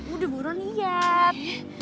udah gue udah liat